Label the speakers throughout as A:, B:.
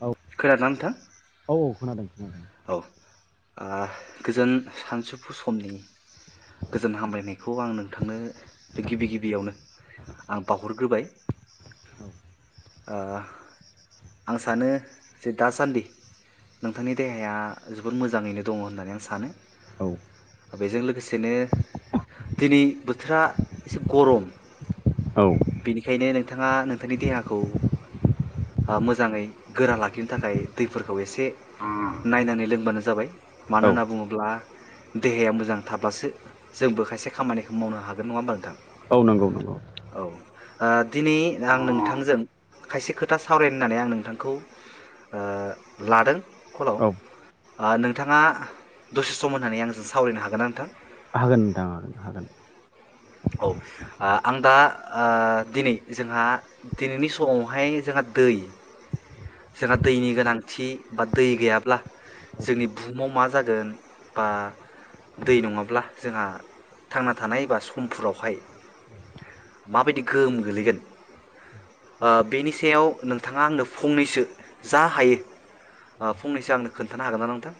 A: औ
B: खोनादोंना नोंथां
A: औ खोनादों खोनादों
B: औ ओह गोजोन सानसुफु समनि गोजोन हामलायनायखौ आं नोंथांनो गिबि गिबियावनो आं बावहरग्रोबाय ओह आं सानो जे दासान्दि नोंथांनि देहाया जोबोर मोजाङैनो दङ होननानै आं सानो
A: औ
B: बेजों लोगोसेनो दिनै बोथोरा एसे गरम
A: औ
B: बिनिखायनो नोंथाङा नोंथांनि देहाखौ मोजाङै गोरा लाखिनो थाखाय दैफोरखौ एसे नायनानै लोंबानो जाबाय मानो
A: औ
B: होनना बुङोब्ला देहाया मोजां थाब्लाासो जोंबो खायसे खामानिखौ मावनो हागोन नङा होमबा नोंथां
A: औ नंगौ नंगौ
B: औ दिनै आं नोंथांजों खायसे खोथा सावरायनो होननानै आं नोंथांखौ लादों कलाव
A: औ
B: आ नोंथाङा दसे सम होननानै आंजों सावरायनो हागोन ना नोंथां
A: हागोन नोंथां हागोन हागोन
B: औ आं दा दिनै जोंहा दिनैनि समावहाय जोंहा दै जोंहा दैनि गोनांथि बा दै गैयाब्ला
A: हागोन
B: जोंनि बुहुमाव मा जागोन बा दै नङाब्ला जोंहा थांना थानाय बा सम समफोरावहाय माबायदि गोहोम गोलैगोन बेनि सायाव नोंथाङा आंनो फंनैसो जा हायो फंनैसो आंनो खोन्थानो हागोन ना नोंथां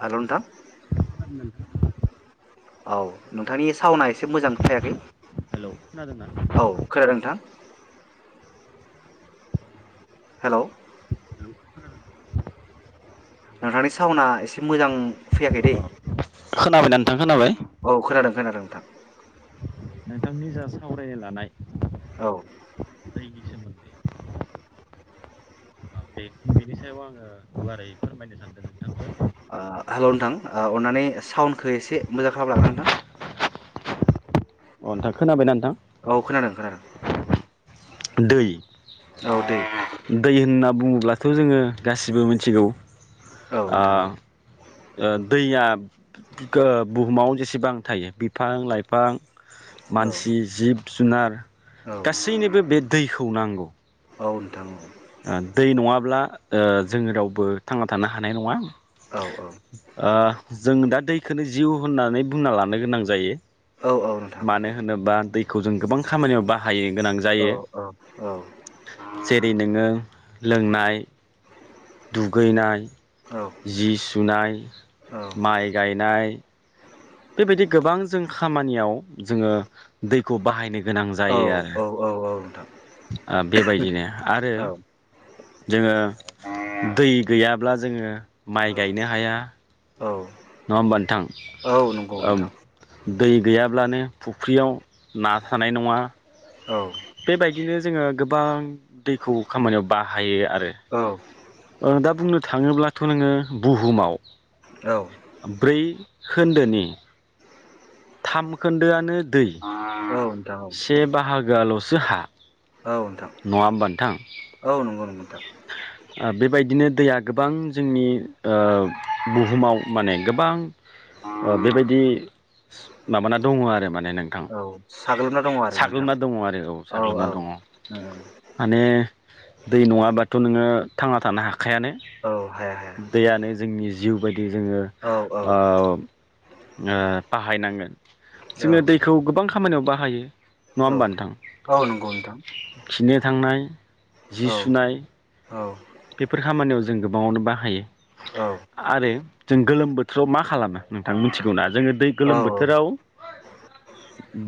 B: हेल' नोंथां
A: औ खोनादोंना नोंथाङा
B: औ नोंथांनि साउना एसे मोजां फैयाखै
A: खोनादोंना
B: औ खोनादों नोंथां हेलौ
A: हेलौ खोनादोंना हेलौ
B: नोंथांनि साउन्डआ एसे मोजां फैयाखै दै
A: खोनाबायना नोंथां? खोनाबाय
B: औ खोनादों खोनादों नोंथां।
A: निजा सावरानो लानाय।
B: औ
A: दैनि सोमोन्दै बे बेनि सायाव आङो गुवारै फोरमायनो सानदों। नोंथांजों अ
B: हेलौ नोंथां अननानै साउडखौ एसे मोजां खालामनो हागोना नोंथां
A: अ नोंथां खोनाबायना नोंथां।
B: औ खोनादों खोनादों
A: दै
B: औ दैे
A: दै होनना बुङोब्लाथ' जोङो गासिबो मिथिगौ
B: औ
A: ओ
B: नोंथां औ
A: दैया बुहुमाव जेसेबां थायो बिफां लाइफां
B: औ
A: मानसि जिब जुनार
B: औ
A: गासैनिबो बे दैखौ नांगौ
B: औ नोंथाङ औ
A: दै नङाब्ला जोंडो़ रावबो थांना थानो हानाय नङा
B: औ औ
A: जों दा दै बेखौनो जिउ होननानै बुंना लानो गोनां जायो
B: औ औ नोंथां
A: मानो होनोबा दै खौ जों गोबां खामानियाव बा हायनो गोनां
B: औ
A: जायो
B: औ औ
A: जेरैनो ओ लोंनाय दुगैनाय जि सुनाय माइ गायनाय बेबायदि गोबां जों खामानियाव जोङो दैखौ बाहायनो गोनां जायो आरो
B: औ औ औ नोंथां
A: ओ बेबायदिनो आरो
B: औ
A: जोङो दै गैयाब्ला जोङो माइ गायनो हाया
B: औ
A: नङा होमबा नोंथां
B: औ नंगौ
A: औ
B: नोंथां
A: दै गैयाब्लानो फुख्रियाव ना थानाय नङा
B: औ
A: बेबायदिनो जोङो गोबां दैखौ खामानियाव बाहायो आरो
B: औ
A: रो दा बुंनो थाङोब्लाथ' नोङो बुहुमाव
B: औ
A: ब्रै खोन्दोनि थाम खोन्दोआनो दै
B: नोंथां
A: से बाहागो आल'सो जोहा
B: औ नोंथां औ नंगौ नंगौ नोंथां
A: ओ बेबायदिनो दैया गोबां जोंनि ओ बुहुमाव माने गोबां ओ बेबायदि माबाना दङ आरो माने ने नोंथां
B: औ साग्लोबना दङ आरो नोंथां
A: साग्लोबना दङ आरो औ साग्लोबना दङ माने दै नङाबाथ' नोङो थांना थानो हा खायानो
B: औ हाया हाया
A: दैयानो जोंनि जिउ बायदि जोङो
B: औ औ
A: ओ ओ बाहायनांगोन
B: औ
A: जोङो दैखौ गोबां खामानियाव बाहायो नङा
B: औ
A: होमबा नोंथां
B: औ नंगौ नोंथां
A: खिनो थांनाय जि
B: औ
A: सुनाय
B: औ
A: बेफोर खामानियाव जो जों गोबाङावनो बाहायो।
B: औ
A: आरो जों गोलोम बोथोराव मा खालामो नोंथां मिथिगौना जोङो गोलोम
B: औ औ
A: बोथोराव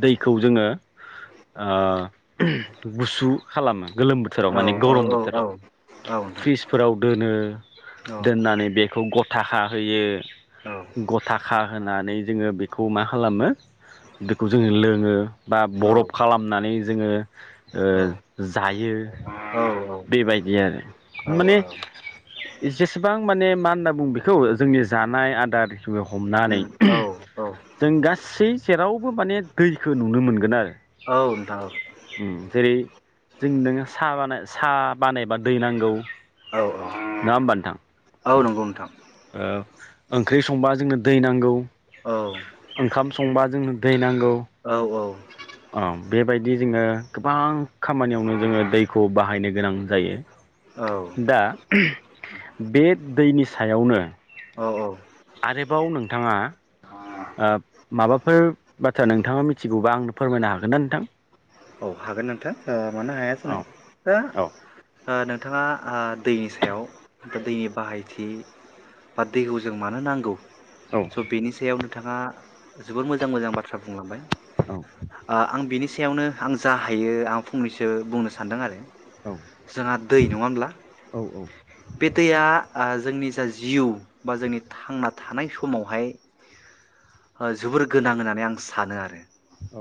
A: दैखौ जोङो ओ गुसु खालामो गोलोम बोथोराव
B: औ
A: माने गरम
B: औ औ
A: बोथोराव
B: औ नोंथां
A: फ्रिजफोराव दोनो
B: औ
A: दोननानै बेखौ गथ' थाखा होयो
B: औ
A: गथाखा होनानै जोङो बेखौ मा खालामो बेखौ जोङो लोङो बा बरफ खालामनानै जोंङो ओ जायो
B: औ
A: बेबायदि आरो माने जेसेबां माने मा होनना बुं बेखौ जोंनि जानाय आदार जोङो हमनानै
B: उम औ
A: जों गासै जेरावबो माने दैखौ नुनो मोनगोन आरो
B: औ नोंथां औ
A: उम जेरै जों नो साहा बानाय साहा बानायबा दै नांगौ
B: औ
A: नङा होमबा नोंथां
B: औ औ नंगौ नोंथां
A: ओ ओंख्रि संबा जोंनो दै नांगौ
B: औ
A: ओंखाम संबा जोंनो दै नां
B: औ औ।
A: बेबायदि जोङो गोबां खामानियावनो जोङो दैखौ बाहायनो गोनां जायो। दा बे दैनि सायावनो।
B: औ
A: आरोबाव नों थांङा ओ माबाफोर बाथ्रा नोंथाङा मिथिगौबा आंनो फोरमायनो हागोन ना नोंथां?
B: औ हागोन नोंथां ओ मानो हाया जानो
A: औ
B: दा
A: औ
B: ओ नोंथाङा ओ दैनि सायाव दा दैनि बाहायथि बा दैखौ जों मानो नांगौ
A: औ
B: स' बेनि सायाव नों थांङा जोबोर मोजां मोजां बाथ्रा बुंलांबाय
A: औ
B: ओ आं बिनि सेयावनो आं जा हायो आं फंनैसो बुंनो सानदों आरो। जोंहा दै नङा होमब्ला?
A: औ
B: बे दैया ओ जोंनि जा जिउ बा जोंनि थांना थानाय समावहाय ओ जोबोर गोनां होननानै आं सानो आरो।
A: औ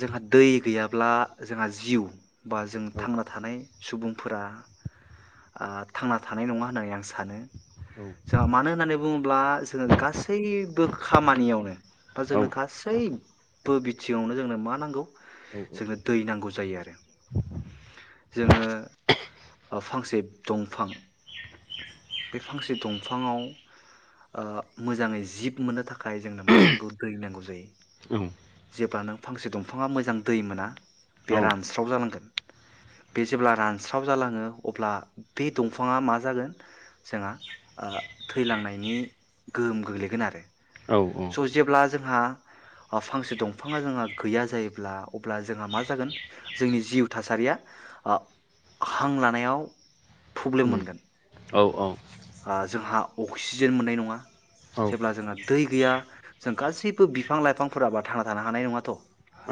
B: जोंहा दै गैयाब्ला जोंहा जिउ बा जों थांना थानाय सुबुंफोरा ओ थांना थानाय नङा होननानै आं सानो। जोंहा मानो होननानै बुङोब्ला जोङो गासैबो खामानियावनो बा
A: औ
B: जोंनो गासै बो बिथिंआवनो जोंनो मा नांगौ?
A: औ
B: जोंनो दै नांगौ जायो आरो जोङो ओ दंफां बे फांसे दंफाङाव ओ मोजाङै जिब मोननो थाख खाय जोंनो मा नांगौ दै नांगौ जायो
A: उम
B: जेब्लानो फांसे दंफाङा मोजां दै मोना बे रानस्राव जालांगोन। बे जेब्ला रानस्राव जालाङो अब्ला बे दंफाङा मा जागोन जोंहा ओ थैलांनायनि गोहोम गोग्लैगोन आरो।
A: औ औ।
B: स' जेब्ला जोंहा ओ फांसे दंफाङा जोंहा गैया जायोब्ला अब्ला जोंहा मा जागोन जोंनि जिउ थासारिया ओ हां लानायाव प्रब्लेम मोनगोन।
A: औ औ।
B: ओ जोंहा अक्सिजेन मोननाय नङा।
A: औ
B: जेब्ला जोंहा दै गैया जों गासैबो बिफां लाइफांफोराबा थांना थानो हानाय नङाथ'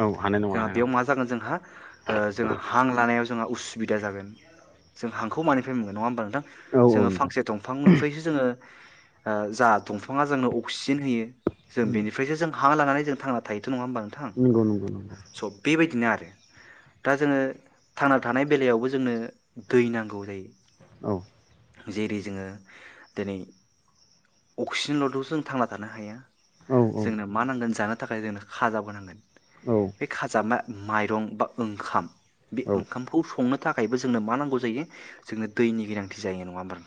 A: औ हानाय नङा हानाय नङा
B: बेयाव मा जागोन जोंहा ओ जों हां लानायाव जोंहा उसुबिदा जागोन जों हांखौ मानिफ्राय मोनगोन नङा होमबब्ला नोंथां
A: औ औ
B: जोङो
A: नोंथां
B: फांसे दंफांनिफ्रायसो जोङो ओ जा दंफाङा जोंनो अक्सिजेन होयो जों
A: उम
B: बेनिफ्रायस जों हां लानानै जों थांना थायो थ' नङा होमबा नोंथां
A: नंगौ नंगौ नंगौ
B: स' बेबायदिनो आरो दा जोङो थांना थानाय बेलायावबो जोंनो दै नांगौ जायो
A: औ
B: जेरै जोङो दिनै अक्सिजेनल'थ' जों थांना थानो हाया
A: औ औ
B: जोंनो मा नांगोन जानो थाखाय जोंनो खाजाबो नांगोन
A: औ
B: बे खाजामा माइरं बा ओंखाम बे
A: औ
B: ओंखामखौ संनो थाखायबो जोंनो मा नांगौ जायो जोंनो दैनि गोनांथि जायो नङा होनबा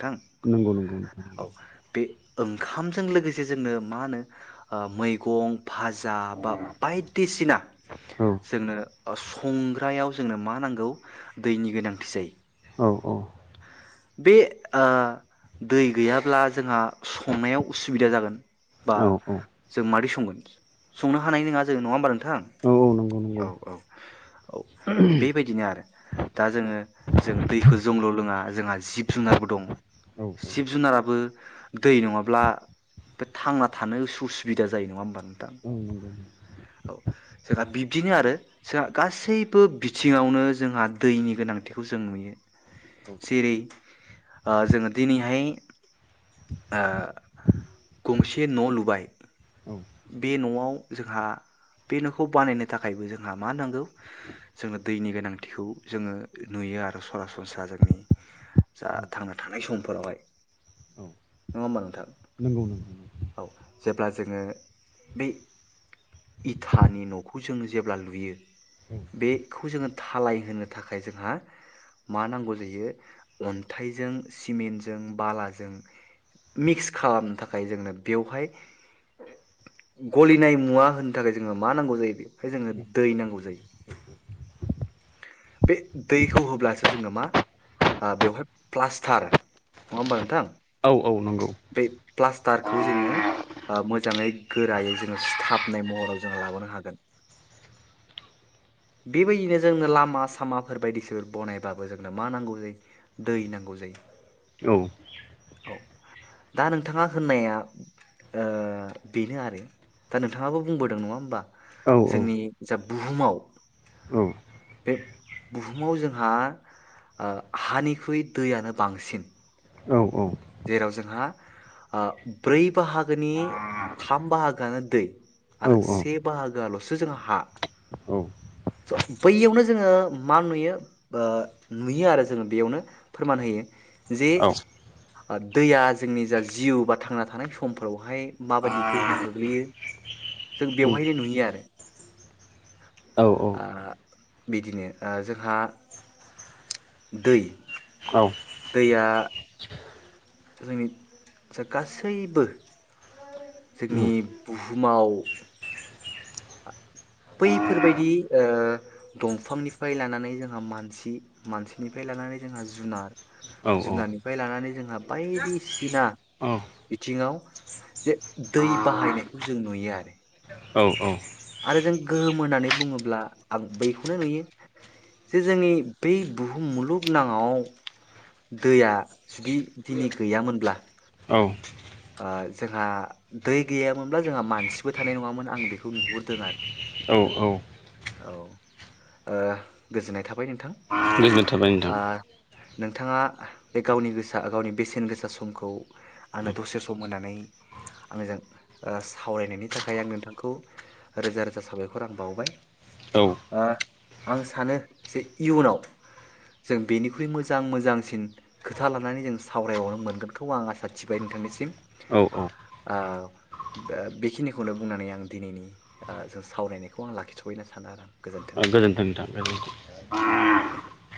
A: नंगौ नंगौ नंगौ
B: ओंखामजों लोगोसे जोंनो मा होनो मैगं भाजा बा बायदिसिना
A: औ
B: जोंनो अ संग्रायाव जोंनो मा नांगौ दैनि गोनांथि जायो
A: औ औ औ
B: बे आ दै गैयाब्ला जोंहा संनायाव उसुबिदा जागोन बा
A: औ
B: जों मारै संगोन संनो हानाय नङा जो नङा होमबा न नोंथां
A: औ औ नंगौ नंगौ
B: औ औ औ बेबायदिनो आरो दा जोङो जों दैखौ जंल' लोङा जोंहा ब जुनारबो दङ
A: औ
B: जिजुनाराबो दै नङाब्ला बे थांना थानो उसु उसुबिदा जायो नङा होमबानो थां
A: औ नंगौ
B: औ जोंहा बिब्दिनो आरो जोंहा गासैबो बिथिङावनो जोंहा दैनि गोनांथिखौ जों नुयो
A: औ
B: सिरि। आ जोङो दिनैहाय आ गंसे न' लुबाय।
A: औ
B: बे न'आव जोंहा बे न'खौ बानायनो थाखायबो जोंहा मा नांगौ जोङो दैनि गोनांथिखौ जोङो नुयो आरो सरासनस्रा जोंनि जा
A: औ
B: थांना थानाय सम। फोरावहाय
A: औ
B: नङा होमबा नोंथां?
A: नंगौ नंगौ।
B: औ जेब्ला जोङो बे इथानि न'खौ जोङो जेब्ला लुयो बेखौ जोङो धालाय होनो थाखाय जोंहा मा नांगौ जायो अन्थाइजों सिमेन्टजों बालाजों मिक्स खालामनो थाखाय जोंनो बेवहाय गलिनाय मुवा होनो थाखाय जोङो मा नांगौ जायो बेहाय जोंनो दै नांगौ जायो। बे दैखौ होब्लासो जोङो मा ओ बेवहाय प्लास्टार नङा होमबा नोंथां?
A: औ औ नंगौ औ
B: बे प्लास्टारखौ जोङो आ मोजाङै गोरायै जोङो सिथाबनाय महराव जोङो लाबोनो हागोन बेबायदिनो जोंनो लामा स सामाफोर बायदिस बनायबाबो जोंनो मा नांगौ जायो दै नांगौ जायो औ दा नोंथाङा होननाया ओ बेनो आरो दा नोंथाङाबो बुंबोदों नङा होनोमबा जोंनि जा बुहुमाव बे बुहुमाव जोंहा ओ हानिख्रुइ दैयानो बांसिन। जेराव जोंहा अ ब्रै बाहागोनि थाम बाहागोआनो दै
A: औ
B: आरो
A: औ औ
B: से बाहागोआल'सो जोंहा हा।
A: गोजोननाय
B: स' बैयावनो जोङो मा नुयो ओ नुयो आरो जोङो बेयावनो फोरमान होयो। जि दैया जोंनि जा जिउ बा थांना थानाय समफोरावहाय माबायदि गोहोम गोग्लैयो जों बेवहायनो नुयो आरो। आ बिदिनो ओ जोंहा दै। दैया जोंनि जा गासैबो जोंनि बुहुमाव बैफोरबायदि ओ दंफांनिफ्राय लानानै जोंहा मानसि मानसिनिफ्राय लानानै जोंहा जुनार जुनारनिफ्राय लानानै जोंहा बायदिसिना बिथिङाव जे दै बाहायनायखौ जों नुयो आरो। आरो जों गोहोम होननानै बुङोब्ला आं बैखौनो नुयो जे जोंनि बै बुहुम मुलुग नाङाव दैया जुदि दिनै गैयामोनब्ला ओ जोंहा दै गैयामोनब्ला जोंहा मानसिबो थानाय नङामोन आं बेखौ नुहुरदों आरो औ ओ गोजोननाय थाबाय नोंथां।
A: गोजनो थाबायनो थां
B: ओ
A: [inaudible]
B: नोंथाङा बे गावनि गोसा गावनि बेसेन गोसा समखौ आंनो दसे सम होननानै आंजों सावरायनायनि ओ थाखाय आं नोंथांखौ रोजा रोजा साबायखर आं बावबाय
A: औ
B: ओ आं सानो जे इयुनाव जों बेनिख्रुइ मोजां मोजांसिन खोथा लानानै जों सावरायबावनो मोनगोनखौ आं आसा थिबाय नोंथांनि थिग
A: औ औ
B: आ बेखिनिखौनो बुंनानै आं दिनैनि आ जों सावरायनायखौ आं लाखिथफैनो सानो आरो।
A: गोजोन्थों नोंथां गोजोनथों
B: औ गोजोन
A: [inaudible]